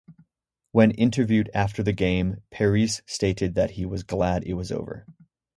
When interviewed after the game, Parise stated that he was glad it was over.